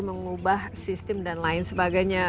mengubah sistem dan lain sebagainya